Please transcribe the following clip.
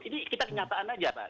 ini kita kenyataan aja pak